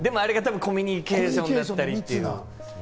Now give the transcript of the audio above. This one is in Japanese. あれがコミュニケーションだったりっていう。